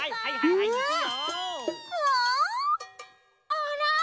あら？